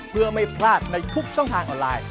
เพื่อไม่พลาดในทุกช่องทางออนไลน์